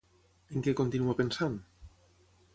En què continua pensant?